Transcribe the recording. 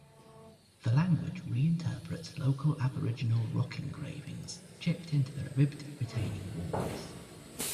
The language reinterprets local aboriginal rock engravings chipped into the ribbed retaining walls.